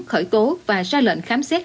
khởi tố và ra lệnh khám xét